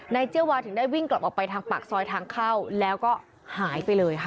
เจียวาถึงได้วิ่งกลับออกไปทางปากซอยทางเข้าแล้วก็หายไปเลยค่ะ